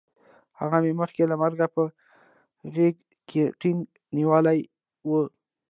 هغه مې مخکې له مرګه په غېږ کې ټینګ نیولی وی